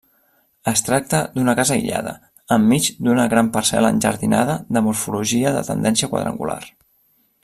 Es tracta d'una casa aïllada, enmig d'una gran parcel·la enjardinada de morfologia de tendència quadrangular.